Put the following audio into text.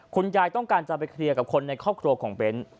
คุณยายต้องการจะไปเคลียร์กับคนในครอบครัวของเบ้น